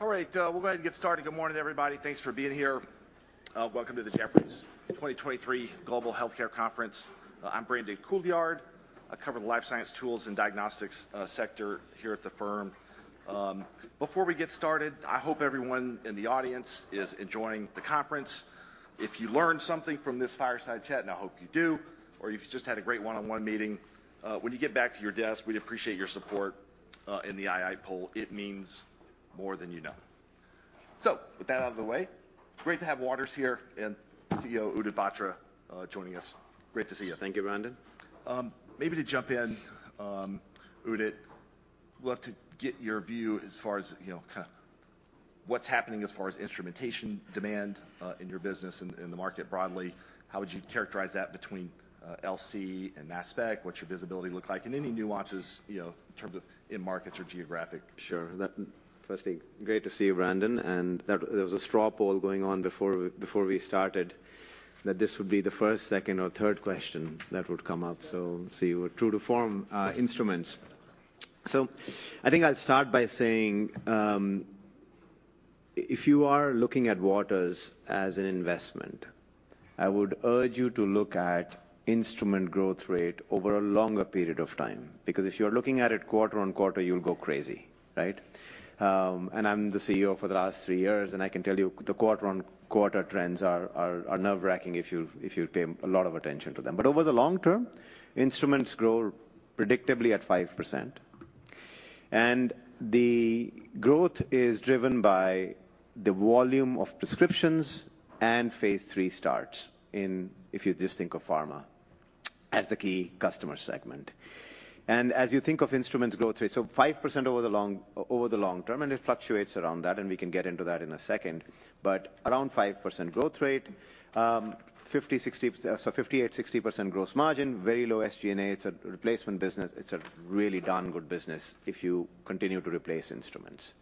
All right, we'll go ahead and get started. Good morning, everybody. Thanks for being here. Welcome to the Jefferies 2023 Global Healthcare Conference. I'm Brandon Couillard. I cover the life science tools and diagnostics sector here at the firm. Before we get started, I hope everyone in the audience is enjoying the conference. If you learned something from this fireside chat, and I hope you do, or you've just had a great one-on-one meeting, when you get back to your desk, we'd appreciate your support in the II poll. It means more than you know. So, with that out of the way, great to have Waters here and CEO Udit Batra joining us. Great to see you. Thank you, Brandon. Maybe to jump in, Udit, we'd love to get your view as far as, you know, kind of what's happening as far as instrumentation demand in your business and in the market broadly. How would you characterize that between LC and mass spec? What's your visibility look like? And any nuances, you know, in terms of end markets or geographies? Sure. That's fascinating. Great to see you, Brandon. And there was a straw poll going on before we started that this would be the first, second, or third question that would come up. So, see, we're true to form instruments. So, I think I'll start by saying, if you are looking at Waters as an investment, I would urge you to look at instrument growth rate over a longer period of time. Because if you're looking at it quarter on quarter, you'll go crazy, right? And I'm the CEO for the last three years, and I can tell you the quarter on quarter trends are nerve-wracking if you pay a lot of attention to them. But over the long term, instruments grow predictably at 5%. And the growth is driven by the volume of prescriptions and phase III starts, if you just think of pharma as the key customer segment. And as you think of instruments growth rate, so 5% over the long term, and it fluctuates around that, and we can get into that in a second, but around 5% growth rate, 50-60, so 58-60% gross margin, very low SG&A. It's a replacement business. It's a really darn good business if you continue to replace instruments.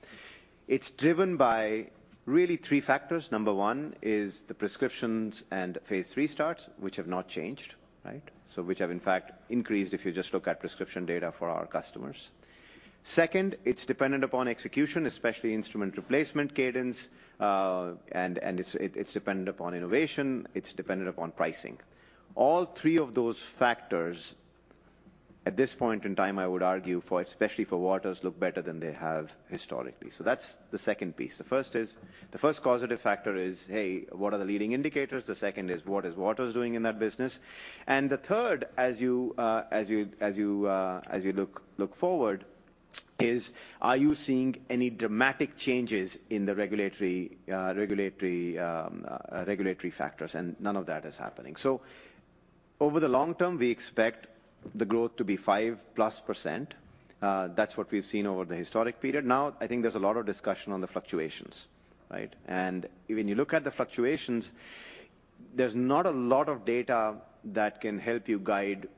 It's driven by really three factors. Number one is the prescriptions and phase III starts, which have not changed, right? So, which have in fact increased if you just look at prescription data for our customers. Second, it's dependent upon execution, especially instrument replacement cadence, and it's dependent upon innovation. It's dependent upon pricing. All three of those factors at this point in time, I would argue, especially for Waters, look better than they have historically. So, that's the second piece. The first causative factor is, hey, what are the leading indicators? The second is, what is Waters doing in that business? And the third, as you look forward, is, are you seeing any dramatic changes in the regulatory factors? And none of that is happening. So, over the long term, we expect the growth to be 5+ %. That's what we've seen over the historic period. Now, I think there's a lot of discussion on the fluctuations, right? And when you look at the fluctuations, there's not a lot of data that can help you guide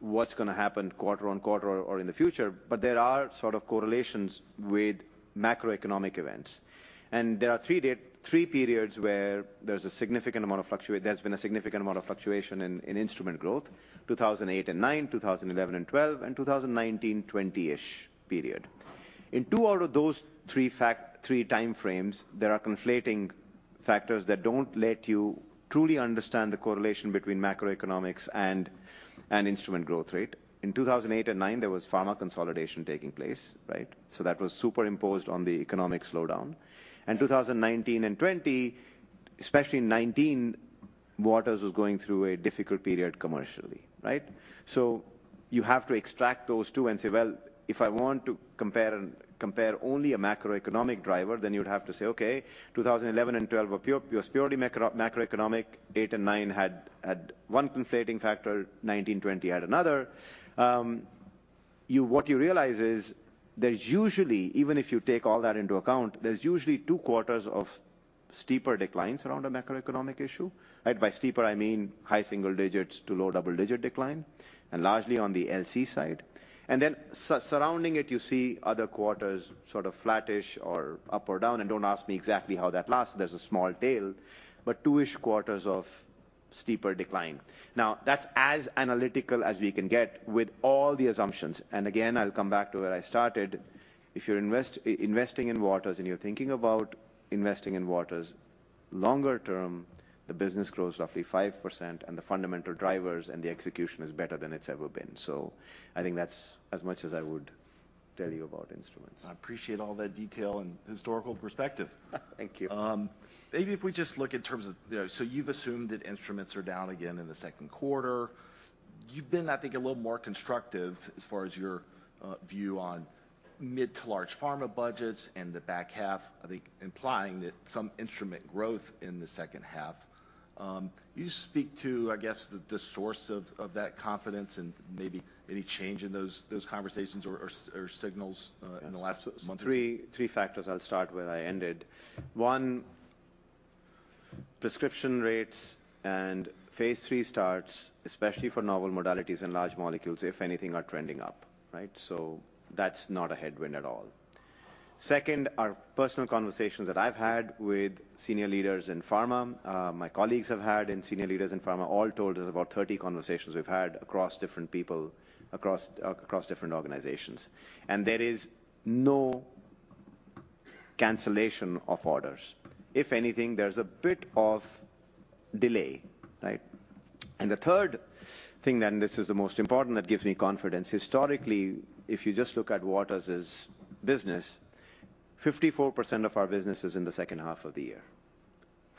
what's going to happen quarter on quarter or in the future, but there are sort of correlations with macroeconomic events. There are three periods where there's a significant amount of fluctuation. There's been a significant amount of fluctuation in instrument growth: 2008 and 2009, 2011 and 2012, and 2019, 2020-ish period. In two out of those three time frames, there are conflating factors that don't let you truly understand the correlation between macroeconomics and instrument growth rate. In 2008 and 2009, there was pharma consolidation taking place, right? So, that was superimposed on the economic slowdown. In 2019 and 2020, especially in 2019, Waters was going through a difficult period commercially, right? So, you have to extract those two and say, well, if I want to compare only a macroeconomic driver, then you'd have to say, okay, 2011 and 2012 were purely macroeconomic. 2008 and 2009 had one conflating factor. 2019, 2020 had another. What you realize is there's usually, even if you take all that into account, there's usually two quarters of steeper declines around a macroeconomic issue. By steeper, I mean high single digits to low double digit decline, and largely on the LC side, and then surrounding it, you see other quarters sort of flattish or up or down, and don't ask me exactly how that lasts. There's a small tail, but two-ish quarters of steeper decline. Now, that's as analytical as we can get with all the assumptions, and again, I'll come back to where I started. If you're investing in Waters and you're thinking about investing in Waters longer term, the business grows roughly 5%, and the fundamental drivers and the execution is better than it's ever been, so I think that's as much as I would tell you about instruments. I appreciate all that detail and historical perspective. Thank you. Maybe if we just look in terms of, you know, so you've assumed that instruments are down again in the second quarter. You've been, I think, a little more constructive as far as your view on mid to large pharma budgets and the back half, I think implying that some instrument growth in the second half. You speak to, I guess, the source of that confidence and maybe any change in those conversations or signals in the last month? Three factors. I'll start where I ended. One, prescription rates and phase three starts, especially for novel modalities and large molecules, if anything, are trending up, right? So, that's not a headwind at all. Second, our personal conversations that I've had with senior leaders in pharma, my colleagues have had, and senior leaders in pharma all told us about 30 conversations we've had across different people, across different organizations. And there is no cancellation of orders. If anything, there's a bit of delay, right? And the third thing, and this is the most important that gives me confidence, historically, if you just look at Waters' business, 54% of our business is in the second half of the year.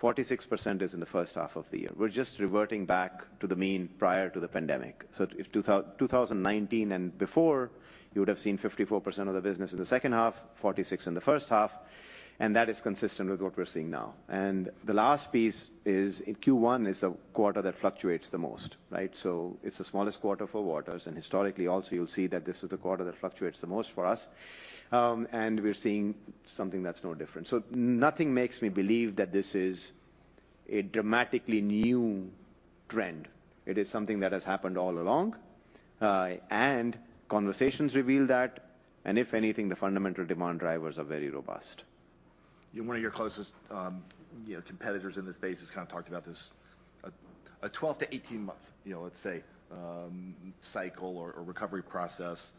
46% is in the first half of the year. We're just reverting back to the mean prior to the pandemic. So, if 2019 and before, you would have seen 54% of the business in the second half, 46% in the first half, and that is consistent with what we're seeing now. And the last piece is Q1 is the quarter that fluctuates the most, right? So, it's the smallest quarter for Waters. And historically, also, you'll see that this is the quarter that fluctuates the most for us. And we're seeing something that's no different. So, nothing makes me believe that this is a dramatically new trend. It is something that has happened all along. And conversations reveal that. And if anything, the fundamental demand drivers are very robust. One of your closest competitors in this space has kind of talked about this 12-18-month, you know, let's say, cycle or recovery process.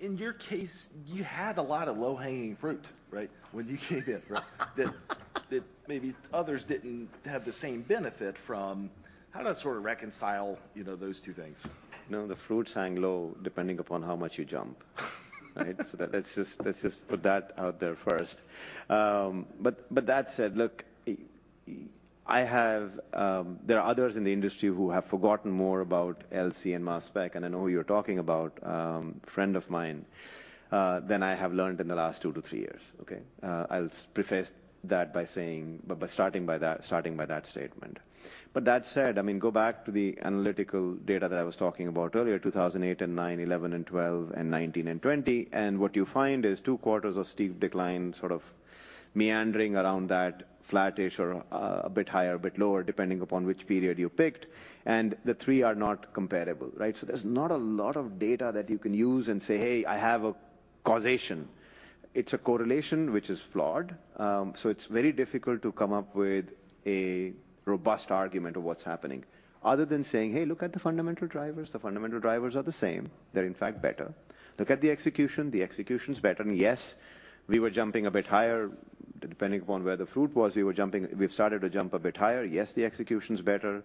In your case, you had a lot of low-hanging fruit, right? That maybe others didn't have the same benefit from. How does that sort of reconcile, you know, those two things? No, the fruit's hanging low depending upon how much you jump, right? So, let's just put that out there first. But that said, look, there are others in the industry who have forgotten more about LC and mass spec, and I know who you're talking about, a friend of mine, than I have learned in the last two to three years, okay? I'll preface that by saying, by starting by that statement. But that said, I mean, go back to the analytical data that I was talking about earlier, 2008 and 2009, 2011 and 2012, and 2019 and 2020. And what you find is two quarters of steep decline sort of meandering around that flattish or a bit higher, a bit lower, depending upon which period you picked. And the three are not comparable, right? So, there's not a lot of data that you can use and say, hey, I have a causation. It's a correlation, which is flawed. So, it's very difficult to come up with a robust argument of what's happening. Other than saying, hey, look at the fundamental drivers. The fundamental drivers are the same. They're in fact better. Look at the execution. The execution's better. And yes, we were jumping a bit higher. Depending upon where the fruit was, we were jumping, we've started to jump a bit higher. Yes, the execution's better.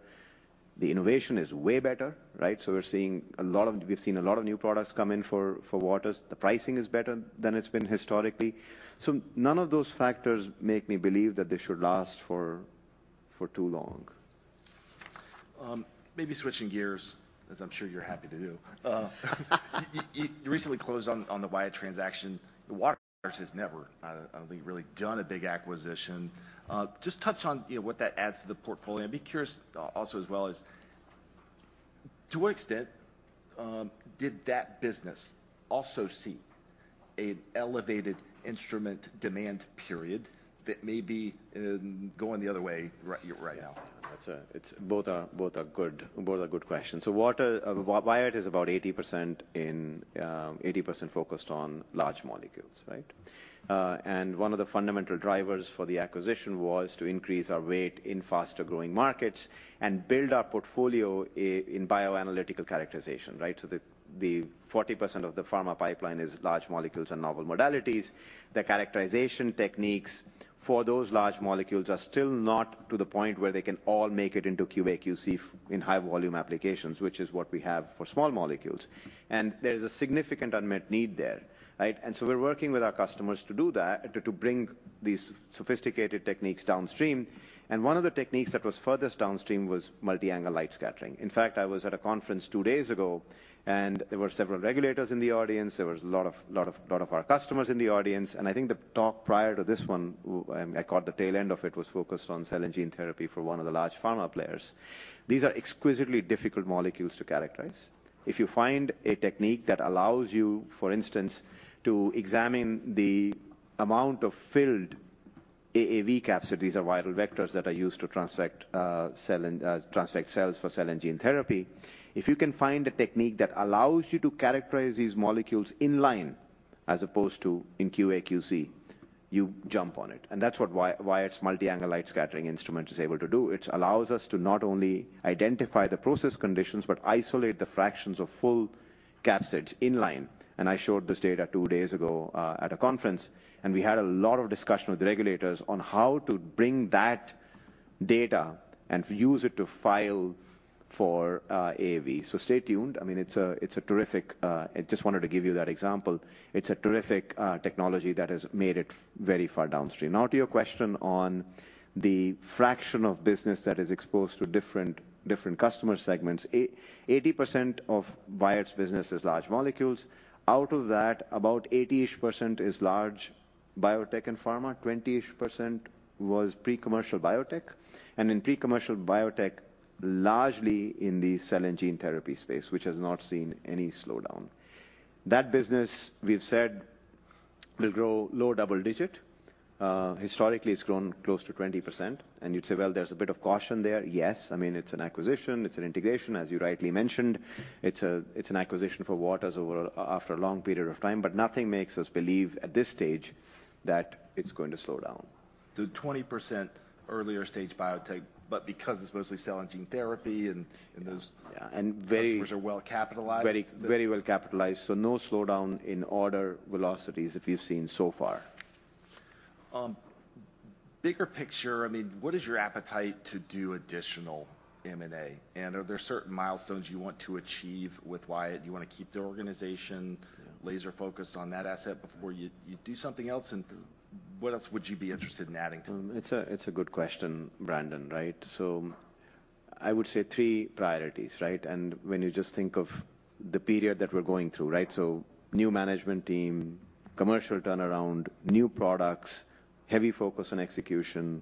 The innovation is way better, right? So, we're seeing a lot of, we've seen a lot of new products come in for Waters. The pricing is better than it's been historically. So, none of those factors make me believe that this should last for too long. Maybe switching gears, as I'm sure you're happy to do. You recently closed on the Wyatt transaction. Waters has never, I don't think, really done a big acquisition. Just touch on what that adds to the portfolio. I'd be curious also as well as to what extent did that business also see an elevated instrument demand period that may be going the other way right now? That's both a good question. So, Waters Wyatt is about 80% focused on large molecules, right? And one of the fundamental drivers for the acquisition was to increase our weight in faster-growing markets and build our portfolio in bioanalytical characterization, right? So, 40% of the pharma pipeline is large molecules and novel modalities. The characterization techniques for those large molecules are still not to the point where they can all make it into QA/QC in high-volume applications, which is what we have for small molecules. And there is a significant unmet need there, right? And so, we're working with our customers to do that, to bring these sophisticated techniques downstream. And one of the techniques that was furthest downstream was multi-angle light scattering. In fact, I was at a conference two days ago, and there were several regulators in the audience. There was a lot of our customers in the audience. And I think the talk prior to this one, I caught the tail end of it, was focused on cell and gene therapy for one of the large pharma players. These are exquisitely difficult molecules to characterize. If you find a technique that allows you, for instance, to examine the amount of filled AAV caps, these are viral vectors that are used to transfect cells for cell and gene therapy, if you can find a technique that allows you to characterize these molecules in line as opposed to in QA/QC, you jump on it. And that's what Wyatt's multi-angle light scattering instrument is able to do. It allows us to not only identify the process conditions, but isolate the fractions of full capsids in line. I showed this data two days ago at a conference, and we had a lot of discussion with the regulators on how to bring that data and use it to file for AAV. Stay tuned. I mean, it's a terrific, I just wanted to give you that example. It's a terrific technology that has made it very far downstream. Now, to your question on the fraction of business that is exposed to different customer segments, 80% of Wyatt's business is large molecules. Out of that, about 80-ish% is large biotech and pharma. 20-ish% was pre-commercial biotech. In pre-commercial biotech, largely in the cell and gene therapy space, which has not seen any slowdown. That business, we've said, will grow low double digit. Historically, it's grown close to 20%. You'd say, well, there's a bit of caution there. Yes, I mean, it's an acquisition. It's an integration, as you rightly mentioned. It's an acquisition for Waters, over, after a long period of time. But nothing makes us believe at this stage that it's going to slow down. The 20% earlier stage biotech, but because it's mostly cell and gene therapy and those customers are well capitalized. Very well capitalized. So, no slowdown in order velocities that we've seen so far. Bigger picture, I mean, what is your appetite to do additional M&A? And are there certain milestones you want to achieve with Wyatt? You want to keep the organization laser-focused on that asset before you do something else? And what else would you be interested in adding to? It's a good question, Brandon, right? So, I would say three priorities, right? And when you just think of the period that we're going through, right? So, new management team, commercial turnaround, new products, heavy focus on execution,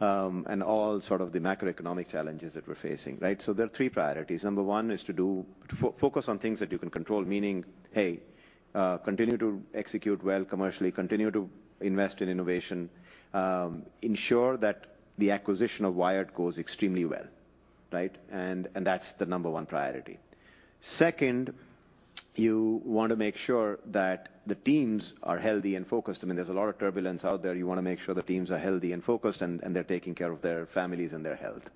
and all sort of the macroeconomic challenges that we're facing, right? So, there are three priorities. Number one is to do focus on things that you can control, meaning, hey, continue to execute well commercially, continue to invest in innovation, ensure that the acquisition of Wyatt goes extremely well, right? And that's the number one priority. Second, you want to make sure that the teams are healthy and focused. I mean, there's a lot of turbulence out there. You want to make sure the teams are healthy and focused and they're taking care of their families and their health.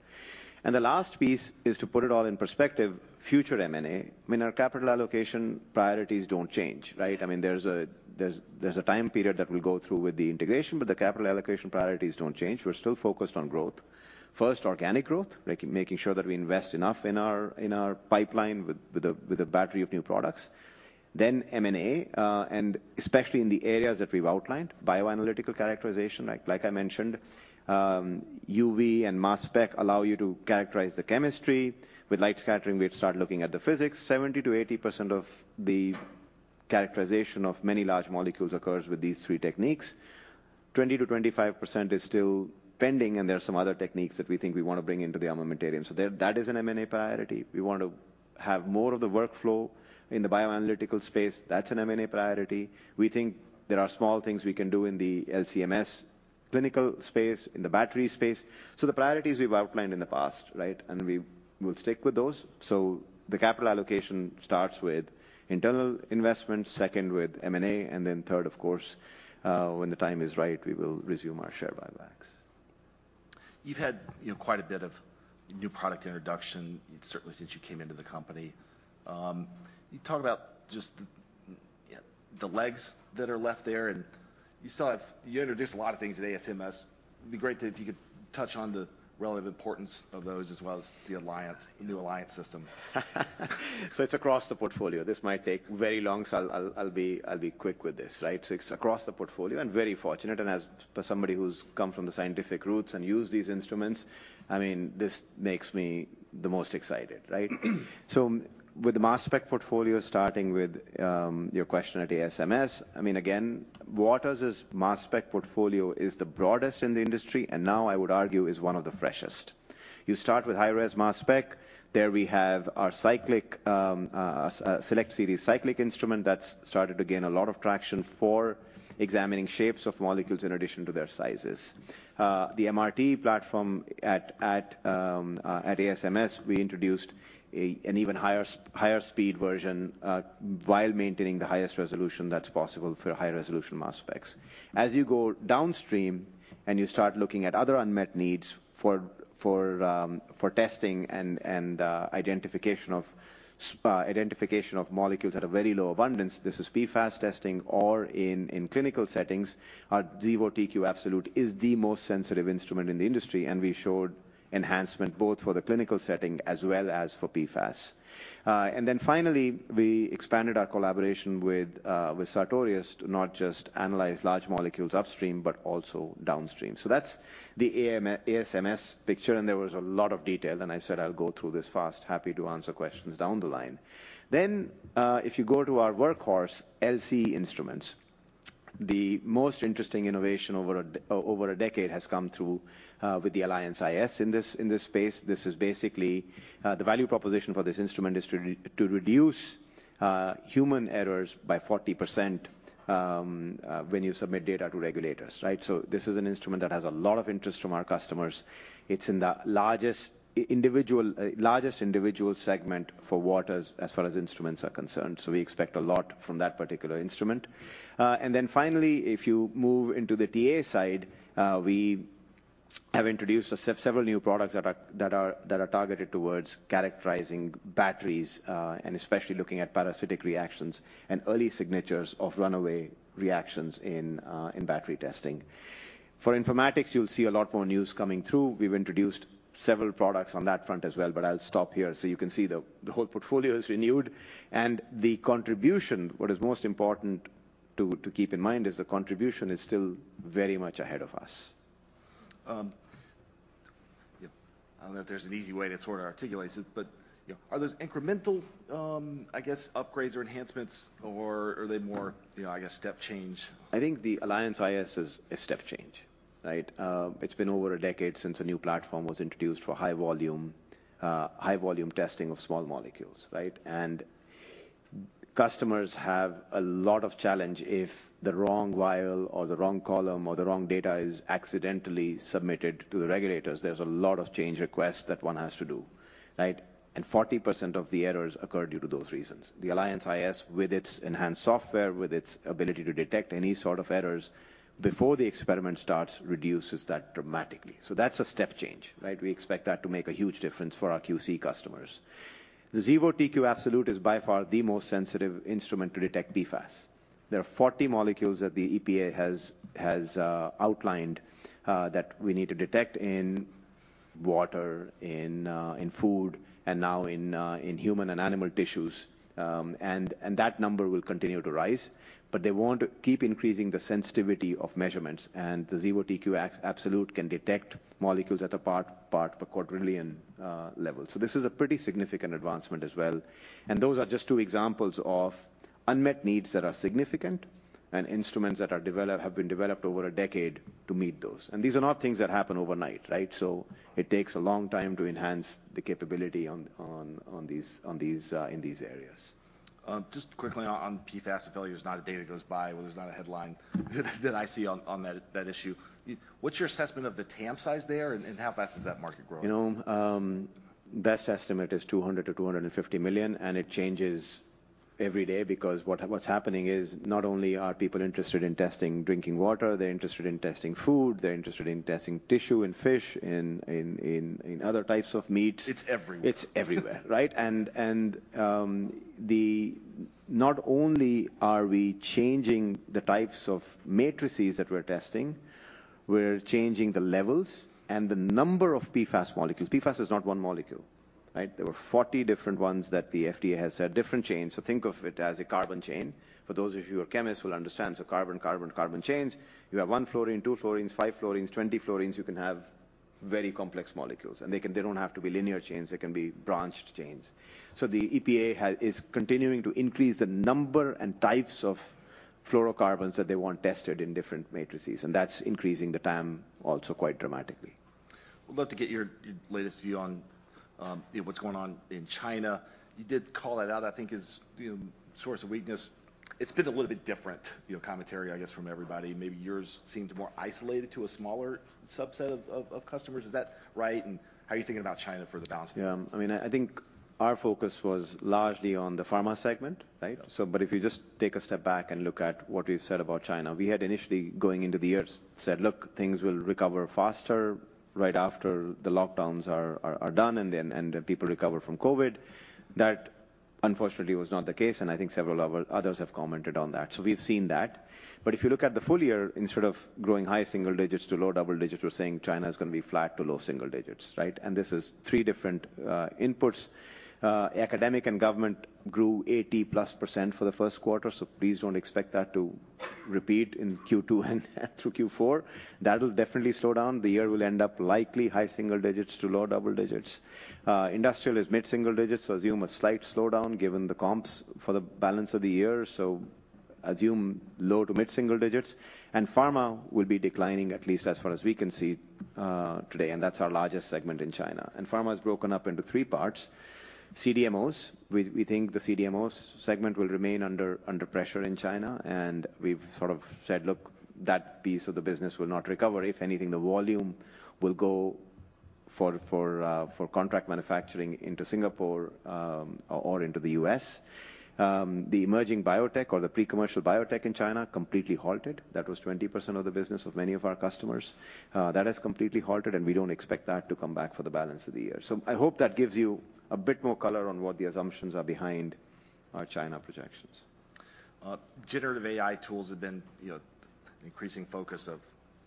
And the last piece is to put it all in perspective, future M&A. I mean, our capital allocation priorities don't change, right? I mean, there's a time period that will go through with the integration, but the capital allocation priorities don't change. We're still focused on growth. First, organic growth, making sure that we invest enough in our pipeline with a battery of new products. Then M&A, and especially in the areas that we've outlined, bioanalytical characterization, right? Like I mentioned, UV and mass spec allow you to characterize the chemistry. With light scattering, we'd start looking at the physics. 70%-80% of the characterization of many large molecules occurs with these three techniques. 20%-25% is still pending, and there are some other techniques that we think we want to bring into the armamentarium. So, that is an M&A priority. We want to have more of the workflow in the bioanalytical space. That's an M&A priority. We think there are small things we can do in the LC-MS clinical space, in the battery space. So, the priorities we've outlined in the past, right? And we will stick with those. So, the capital allocation starts with internal investment, second with M&A, and then third, of course, when the time is right, we will resume our share buybacks. You've had, you know, quite a bit of new product introduction, certainly since you came into the company. You talk about just the legs that are left there, and you still have, you introduced a lot of things in ASMS. It'd be great if you could touch on the relative importance of those as well as the Alliance iS, the new Alliance iS system. So, it's across the portfolio. This might take very long, so I'll be quick with this, right? So, it's across the portfolio and very fortunate. And as for somebody who's come from the scientific roots and used these instruments, I mean, this makes me the most excited, right? So, with the mass spec portfolio, starting with your question at ASMS, I mean, again, Waters' mass spec portfolio is the broadest in the industry, and now I would argue is one of the freshest. You start with high-res mass spec. There we have our Select Series Cyclic IMS instrument that's started to gain a lot of traction for examining shapes of molecules in addition to their sizes. The Select Series MRT platform at ASMS, we introduced an even higher speed version while maintaining the highest resolution that's possible for high-resolution mass specs. As you go downstream and you start looking at other unmet needs for testing and identification of molecules at a very low abundance, this is PFAS testing or in clinical settings. Our Xevo TQ Absolute is the most sensitive instrument in the industry, and we showed enhancement both for the clinical setting as well as for PFAS. Then finally, we expanded our collaboration with Sartorius to not just analyze large molecules upstream, but also downstream. So, that's the ASMS picture, and there was a lot of detail. I said, I'll go through this fast, happy to answer questions down the line. If you go to our workhorse, LC instruments, the most interesting innovation over a decade has come through with the Alliance iS in this space. This is basically the value proposition for this instrument is to reduce human errors by 40% when you submit data to regulators, right? So, this is an instrument that has a lot of interest from our customers. It's in the largest individual segment for Waters as far as instruments are concerned. So, we expect a lot from that particular instrument. And then finally, if you move into the TA side, we have introduced several new products that are targeted towards characterizing batteries and especially looking at parasitic reactions and early signatures of runaway reactions in battery testing. For informatics, you'll see a lot more news coming through. We've introduced several products on that front as well, but I'll stop here so you can see the whole portfolio is renewed. And the contribution, what is most important to keep in mind is the contribution is still very much ahead of us. I don't know if there's an easy way to sort of articulate it, but are those incremental, I guess, upgrades or enhancements, or are they more, you know, I guess, step change? I think the Alliance iS is step change, right? It's been over a decade since a new platform was introduced for high-volume testing of small molecules, right? And customers have a lot of challenge if the wrong vial or the wrong column or the wrong data is accidentally submitted to the regulators. There's a lot of change requests that one has to do, right? And 40% of the errors occur due to those reasons. The Alliance iS, with its enhanced software, with its ability to detect any sort of errors before the experiment starts, reduces that dramatically. So, that's a step change, right? We expect that to make a huge difference for our QC customers. The Xevo TQ Absolute is by far the most sensitive instrument to detect PFAS. There are 40 molecules that the EPA has outlined that we need to detect in water, in food, and now in human and animal tissues. And that number will continue to rise, but they want to keep increasing the sensitivity of measurements. And the Xevo TQ Absolute can detect molecules at the part per quadrillion level. So, this is a pretty significant advancement as well. And those are just two examples of unmet needs that are significant and instruments that have been developed over a decade to meet those. And these are not things that happen overnight, right? So, it takes a long time to enhance the capability in these areas. Just quickly on PFAS and failures, not a day that goes by when there's not a headline that I see on that issue. What's your assessment of the TAM size there and how fast is that market growing? You know, best estimate is $200 million-$250 million, and it changes every day because what's happening is not only are people interested in testing drinking water, they're interested in testing food, they're interested in testing tissue in fish, in other types of meats. It's everywhere. It's everywhere, right? And not only are we changing the types of matrices that we're testing, we're changing the levels and the number of PFAS molecules. PFAS is not one molecule, right? There were 40 different ones that the FDA has said different chains. So, think of it as a carbon chain. For those of you who are chemists, will understand. So, carbon, carbon, carbon chains. You have one fluorine, two fluorines, five fluorines, 20 fluorines. You can have very complex molecules. And they don't have to be linear chains. They can be branched chains. So, the EPA is continuing to increase the number and types of fluorocarbons that they want tested in different matrices. And that's increasing the TAM also quite dramatically. We'd love to get your latest view on what's going on in China. You did call that out, I think, as a source of weakness. It's been a little bit different commentary, I guess, from everybody. Maybe yours seemed more isolated to a smaller subset of customers. Is that right, and how are you thinking about China for the balance? Yeah. I mean, I think our focus was largely on the pharma segment, right? So but if you just take a step back and look at what we've said about China, we had initially going into the year said, look, things will recover faster right after the lockdowns are done and people recover from COVID. That, unfortunately, was not the case, and I think several others have commented on that, so we've seen that. But if you look at the full year, instead of growing high single digits to low double digits, we're saying China is going to be flat to low single digits, right, and this is three different inputs. Academic and government grew 80+% for the first quarter, so please don't expect that to repeat in Q2 and through Q4. That'll definitely slow down. The year will end up likely high single digits to low double digits. Industrial is mid single digits, so assume a slight slowdown given the comps for the balance of the year, so assume low to mid single digits, and pharma will be declining, at least as far as we can see today, and that's our largest segment in China, and pharma is broken up into three parts. CDMOs, we think the CDMOs segment will remain under pressure in China, and we've sort of said, look, that piece of the business will not recover. If anything, the volume will go for contract manufacturing into Singapore or into the U.S. The emerging biotech or the pre-commercial biotech in China completely halted. That was 20% of the business of many of our customers. That has completely halted, and we don't expect that to come back for the balance of the year. So, I hope that gives you a bit more color on what the assumptions are behind our China projections. Generative AI tools have been an increasing focus of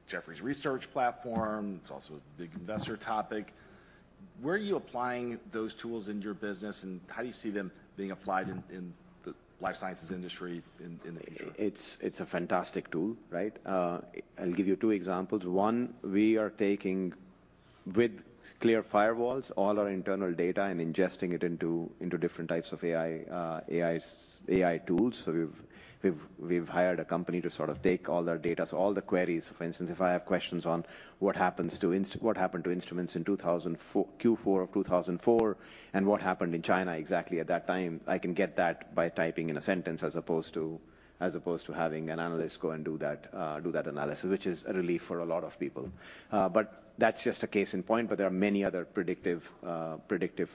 Jefferies' research platform. It's also a big investor topic. Where are you applying those tools in your business? And how do you see them being applied in the life sciences industry in the future? It's a fantastic tool, right? I'll give you two examples. One, we are taking with clear firewalls all our internal data and ingesting it into different types of AI tools. So, we've hired a company to sort of take all our data. So, all the queries, for instance, if I have questions on what happened to instruments in Q4 of 2004 and what happened in China exactly at that time, I can get that by typing in a sentence as opposed to having an analyst go and do that analysis, which is a relief for a lot of people. But that's just a case in point, but there are many other predictive ways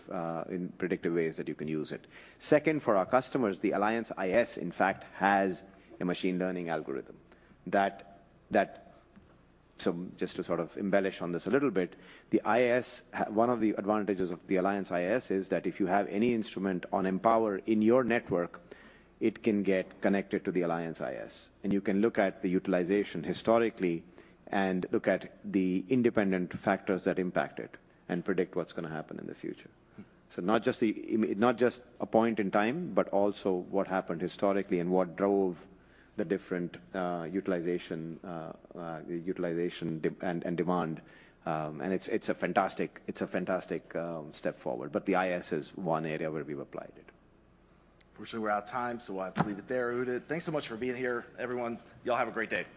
that you can use it. Second, for our customers, the Alliance iS, in fact, has a machine learning algorithm. Just to sort of embellish on this a little bit, one of the advantages of the Alliance iS is that if you have any instrument on Empower in your network, it can get connected to the Alliance iS. And you can look at the utilization historically and look at the independent factors that impact it and predict what's going to happen in the future. So, not just a point in time, but also what happened historically and what drove the different utilization and demand. And it's a fantastic step forward. But the iS is one area where we've applied it. Unfortunately, we're out of time, so I'll leave it there. Thanks so much for being here, everyone. Y'all have a great day. Thanks.